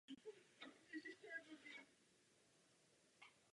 Sleduje metody a témata současné francouzské historiografie.